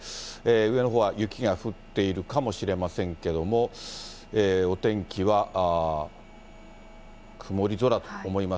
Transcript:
上のほうは雪が降っているかもしれませんけれども、お天気は曇り空と思います。